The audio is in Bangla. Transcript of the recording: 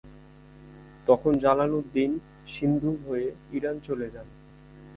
তখন জালালউদ্দিন সিন্ধু হয়ে ইরান চলে যান।